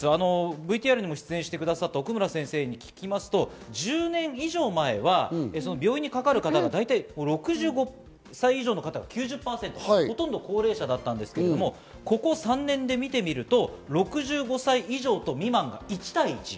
ＶＴＲにも出演してくださった奥村先生に聞くと１０年以上前は病院にかかる方がだいたい、６５歳以上の方が９０％、ほとんど高齢者だったんですが、ここ３年で見てみると６５歳以上と未満が１対１。